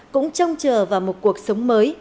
cũng trông chờ vào một cuộc sống mới